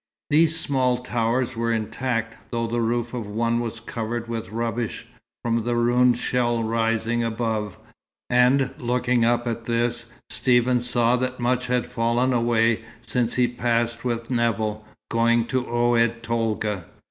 These small towers were intact, though the roof of one was covered with rubbish from the ruined shell rising above; and looking up at this, Stephen saw that much had fallen away since he passed with Nevill, going to Oued Tolga.